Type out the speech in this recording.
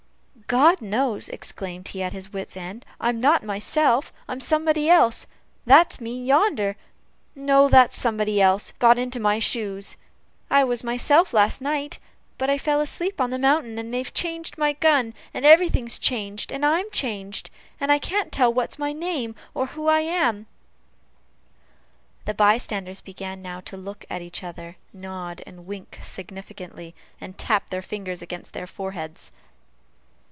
"God knows!" exclaimed he at his wit's end; "I'm not myself I'm somebody else that's me yonder no that's somebody else, got into my shoes I was myself last night, but I fell asleep on the mountain, and they've changed my gun, and everything's changed, and I'm changed, and I can't tell what's my name, or who I am!" The by standers began now to look at each other, nod, wink significantly, and tap their fingers against their foreheads.